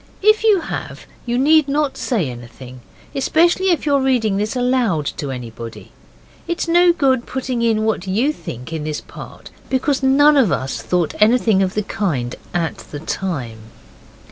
If you have you need not say anything, especially if you're reading this aloud to anybody. It's no good putting in what you think in this part, because none of us thought anything of the kind at the time.